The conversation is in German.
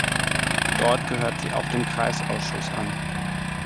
Dort gehört sie auch dem Kreisausschuss an.